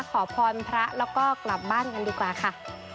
ขอพรพระแล้วก็กลับบ้านกันดีกว่าค่ะ